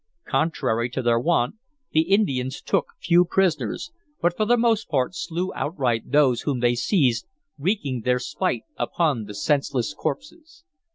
Contrary to their wont, the Indians took few prisoners, but for the most part slew outright those whom they seized, wreaking their spite upon the senseless corpses.